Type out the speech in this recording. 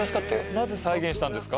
なぜ再現したんですか？